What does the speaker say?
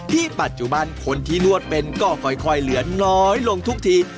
ปัจจุบันคนที่นวดเป็นก็ค่อยเหลือน้อยลงทุกที